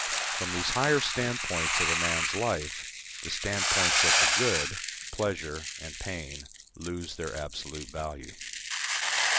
From these higher standpoints of a man's life, the standpoints of the good, pleasure and pain lose their absolute value.